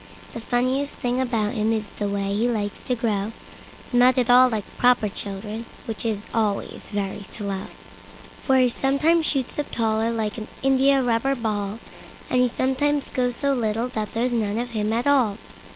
The funniest thing about him is the way he likes to grow—Not at all like proper children, which is always very slow; For he sometimes shoots up taller like an India rubber ball, And he sometimes gets so little that there's none of him at all.